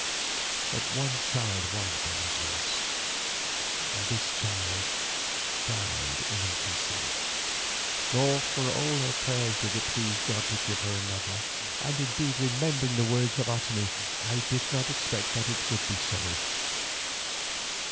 But one child was born to us, and this child died in infancy, nor for all her prayers did it please God to give her another, and indeed remembering the words of Otomie I did not expect that it would be so.